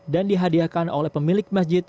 dan dihadiahkan oleh pemilik masjid